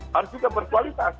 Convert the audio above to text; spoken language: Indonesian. harus juga berkualitas